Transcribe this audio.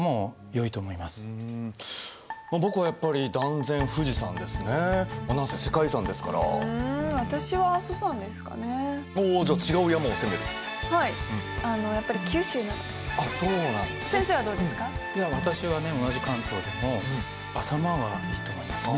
いや私はね同じ関東でも浅間はいいと思いますね。